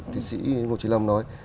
tiến sĩ ngô trí long nói